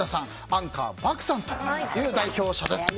アンカー漠さんという代表者です。